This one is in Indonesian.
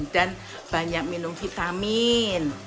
dan banyak minum vitamin